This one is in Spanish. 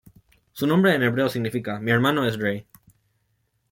Su nombre en hebreo significa "mi hermano es rey".